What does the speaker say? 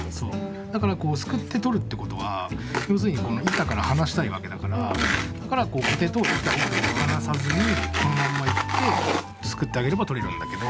だからすくって取るってことは要するにこの板から離したいわけだからだからコテと板を離さずにこのまんまいってすくってあげれば取れるんだけど。